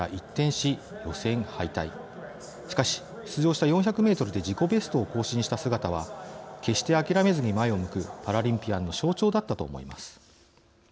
しかし、出場した４００メートルで自己ベストを更新した姿は決して諦めずに前を向くパラリンピアンの象徴だったと思います。